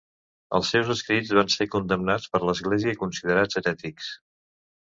Els seus escrits van ser condemnats per l'Església i considerats herètics.